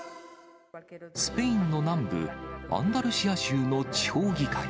スペインの南部、アンダルシア州の地方議会。